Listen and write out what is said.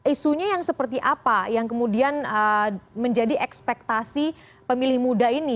isunya yang seperti apa yang kemudian menjadi ekspektasi pemilih muda ini